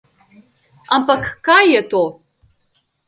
Ampak, kaj je to?